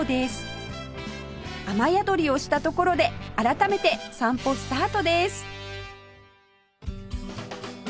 雨宿りをしたところで改めて散歩スタートです